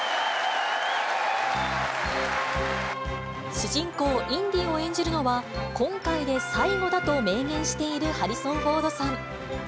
主人公、インディを演じるのは、今回で最後だと明言しているハリソン・フォードさん。